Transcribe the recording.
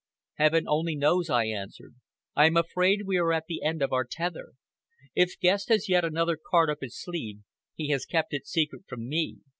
"Heaven only knows!" I answered. "I am afraid we are at the end of our tether. If Guest has yet another card up his sleeve, he has kept it secret from me.